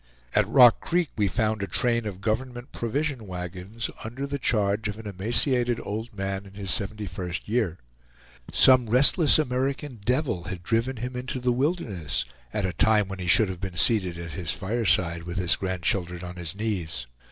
At Rock Creek we found a train of government provision wagons, under the charge of an emaciated old man in his seventy first year. Some restless American devil had driven him into the wilderness at a time when he should have been seated at his fireside with his grandchildren on his knees.